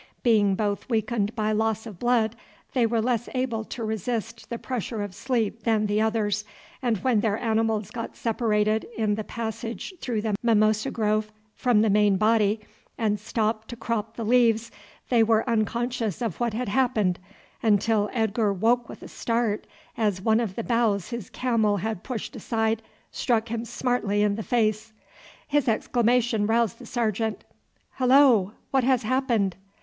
Being both weakened by loss of blood, they were less able to resist the pressure of sleep than the others, and when their animals got separated in the passage through the mimosa grove from the main body, and stopped to crop the leaves, they were unconscious of what had happened until Edgar woke with a start as one of the boughs his camel had pushed aside struck him smartly in the face. His exclamation roused the sergeant. "Hullo! what has happened?"